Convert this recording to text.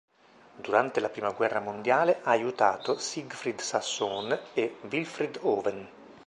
Durante la prima guerra mondiale ha aiutato Siegfried Sassoon e Wilfred Owen.